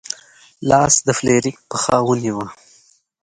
لاس د فلیریک پښه ونیوه.